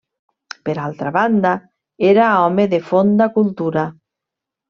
Per altra banda, era home de fonda cultura.